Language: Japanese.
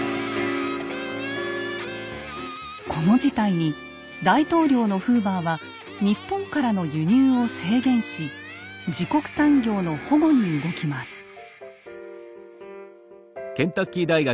この事態に大統領のフーバーは日本からの輸入を制限し自国産業の保護に動きます。